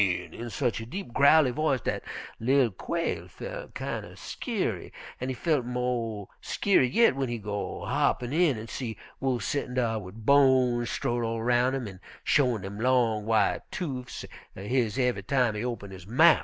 in sech a deep, growly voice dat li'l Quail felt kind er skeery, an' he feel mo' skeery yit w'en he go hoppin' in an' see Wolf settin' dar wid bones strowed all roun' him, an' showin' dem long, white toofs er his ev'y time he open his mouf.